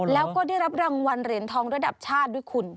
แล้วก็ได้รับรางวัลเหรียญทองระดับชาติด้วยคุณ